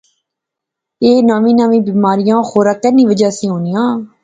اے نویاں نویاں بیماریاں خراکا نی وجہ سی ہونیاں